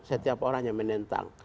setiap orang yang menentang